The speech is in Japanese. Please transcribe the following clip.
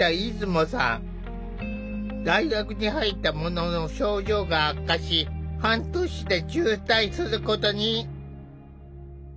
大学に入ったものの症状が悪化し半年で中退することに。